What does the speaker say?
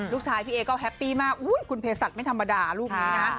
พี่เอก็แฮปปี้มากคุณเพศัตว์ไม่ธรรมดาลูกนี้นะ